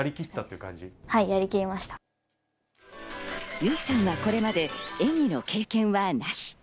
由依さんはこれまで演技の経験はなし。